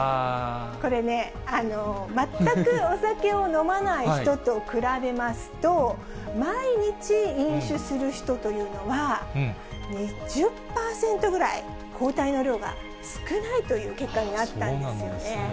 これね、全くお酒を飲まない人と比べますと、毎日飲酒する人というのは、２０％ぐらい抗体の量が少ないという結果になったんですよね。